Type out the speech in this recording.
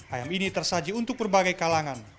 ayam ini tersaji untuk berbagai kalangan